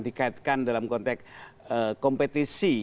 dikaitkan dalam konteks kompetisi